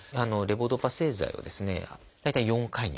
レボドパ製剤をですね大体４回に分ける。